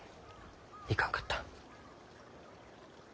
いかんかった。